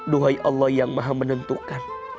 duhai allah yang maha menentukan